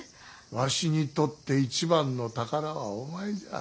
わしにとって一番の宝はお前じゃ。